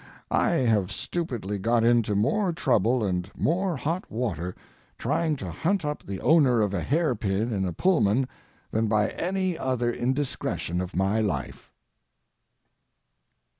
I have stupidly got into more trouble and more hot water trying to hunt up the owner of a hair pin in a Pullman than by any other indiscretion of my life.